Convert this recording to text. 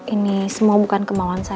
ini semua bukan kemauan saya